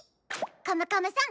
カムカムさん